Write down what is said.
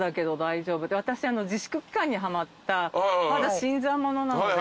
私自粛期間にはまったまだ新参者なので。